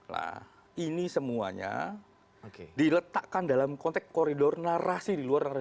nah ini semuanya diletakkan dalam konteks koridor narasi di luar narasi